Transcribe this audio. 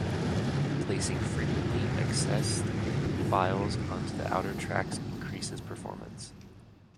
Placing frequently accessed files onto the outer tracks increases performance.